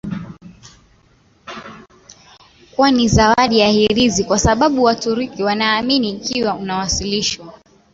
kama zawadi ya hirizi kwa sababu Waturuki wanaamini ikiwa unawasilishwa